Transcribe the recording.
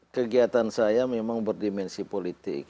kegiatan saya memang berdimensi politik